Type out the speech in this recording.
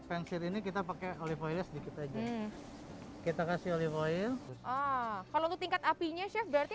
pensil ini kita pakai olive oil sedikit aja kita kasih olive oil kalau tingkat apinya chef berarti